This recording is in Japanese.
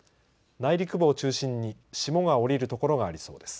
内陸部を中心に霜が降りる所がありそうです。